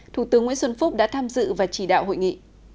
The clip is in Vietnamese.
thủ tướng nguyễn xuân phúc đã tham dự và chỉ đạo hội nghị